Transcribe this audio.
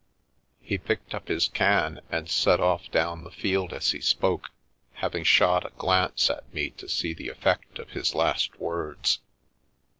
He picked up his can and set off down the field as he spoke, having shot a glance at me to see the effect of his last words.